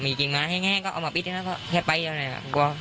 มีกินม้าแห้งแห้งก็เอามาแล้วก็แค่ไปแล้วแหละไงแบบนี้